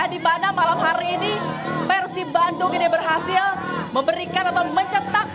di mana malam hari ini persib bandung ini berhasil memberikan atau mencetak